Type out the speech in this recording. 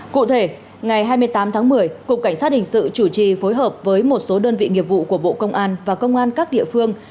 cụ thể ngày hai mươi tám tháng một mươi cục cảnh sát hình sự chủ trì phối hợp với một số đơn vị nghiệp vụ của bộ công an và công an các địa phương